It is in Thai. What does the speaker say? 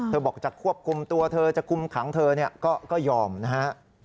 บอกจะควบคุมตัวเธอจะคุมขังเธอก็ยอมนะฮะ